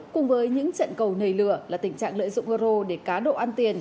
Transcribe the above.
cùng với những trận cầu nề lửa là tình trạng lợi dụng euro để cá độ ăn tiền